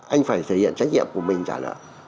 anh phải thể hiện trách nhiệm của mình trả nợ